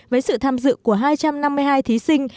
với sự tham dự của hai trăm năm mươi hai thí sinh